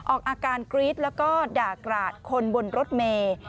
ออกอาการกรี๊ดแล้วก็ด่ากราดคนบนรถเมย์